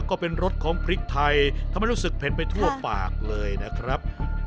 ก็เป็นรสของพริกไทยทำให้รู้สึกเผ็นไปทั่วปากเลยนะครับ